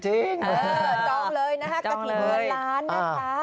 จองเลยนะคะกระถิ่นเงินล้านนะคะ